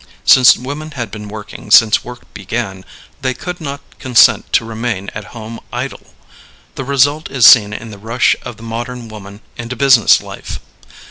Since women had been working since work began, they could not consent to remain at home idle. The result is seen in the rush of the modern woman into business life.